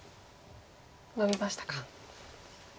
ノビましたか。